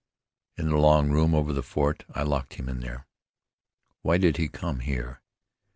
"In the long room over the fort. I locked him in there." "Why did he come here?"